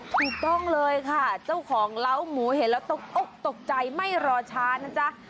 ถูกต้องเลยค่ะเจ้าของเล้าหมูเห็นแล้วตกอกตกใจไม่รอช้านะจ๊ะ